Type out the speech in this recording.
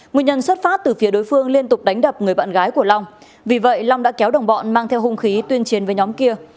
nguyên nhân xuất phát từ phía đối phương liên tục đánh đập người bạn gái của long vì vậy long đã kéo đồng bọn mang theo hung khí tuyên chiến với nhóm kia